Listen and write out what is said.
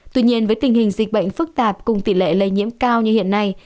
tuy nhiên với tình hình dịch bệnh phức tạp cùng tỷ lệ lây nhiễm cao như hiện nay